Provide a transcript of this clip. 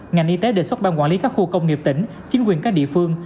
ngành y tế đề xuất ban quản lý các khu công nghiệp tỉnh chính quyền các địa phương